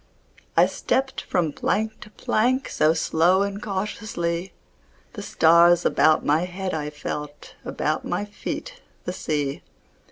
I stepped from plank to plank So slow and cautiously; The stars about my head I felt, About my feet the sea.